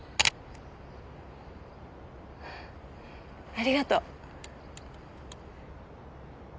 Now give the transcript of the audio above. ありがとう。